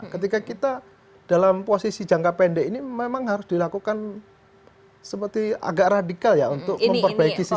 ketika kita dalam posisi jangka pendek ini memang harus dilakukan seperti agak radikal ya untuk memperbaiki sistem